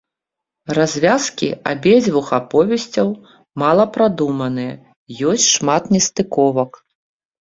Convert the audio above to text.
Развязкі абедзвюх аповесцяў мала прадуманыя, ёсць шмат нестыковак.